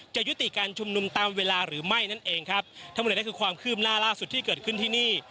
ยุติการชุมนุมตามเวลาหรือไม่นั่นเองครับทั้งหมดเลยนั่นคือความคืบหน้าล่าสุดที่เกิดขึ้นที่นี่